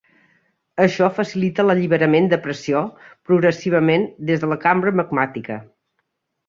Això facilita l'alliberament de pressió progressivament des de la cambra magmàtica.